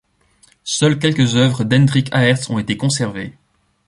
Seules quelques œuvres d'Hendrick Aerts ont été conservées.